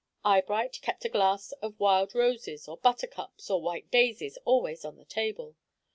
Eyebright kept a glass of wild roses or buttercups or white daisies always on the table.